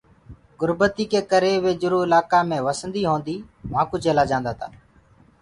گُربتي ڪي ڪري وي جرو اِلاڪآ مي وسنديٚ هونٚديٚ وهانٚ ڪٚوُ چيلآ جآنٚدآ تآ۔